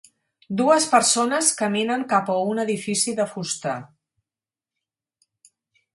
Dues persones caminen cap a un edifici de fusta.